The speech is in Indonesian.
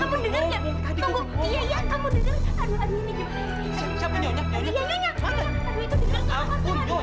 kamu denger gak tunggu tunggu tunggu tunggu tunggu tunggu